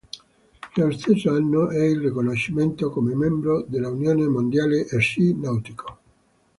Dello stesso anno è il riconoscimento come membro dell'Unione Mondiale Sci Nautico.